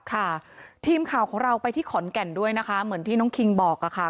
ค่ะทีมข่าวของเราไปที่ขอนแก่นด้วยนะคะเหมือนที่น้องคิงบอกค่ะ